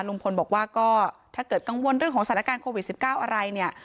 ลุงพลบอกว่าก็ถ้าเกิดกังวลเรื่องของสถานการณ์โควิด๑๙อะไรเนี่ย